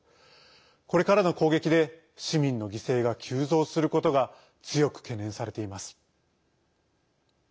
これからの攻撃で市民の犠牲が急増することが強く懸念されています。